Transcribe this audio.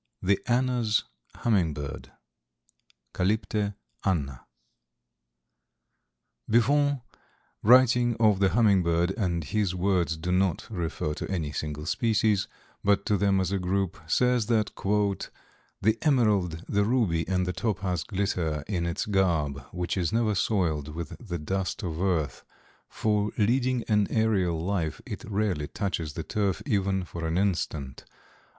THE ANNA'S HUMMINGBIRD. (Calypte anna.) Buffon, writing of the Hummingbird, and his words do not refer to any single species, but to them as a group, says that "the emerald, the ruby and the topaz glitter in its garb, which is never soiled with the dust of earth, for, leading an aerial life, it rarely touches the turf, even for an instant.